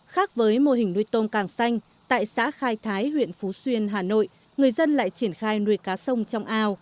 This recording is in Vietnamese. khác với mô hình nuôi tôm càng xanh tại xã khai thái huyện phú xuyên hà nội người dân lại triển khai nuôi cá sông trong ao